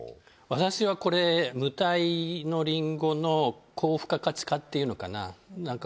私はこれ無袋のりんごの高付加価値化っていうのかななんか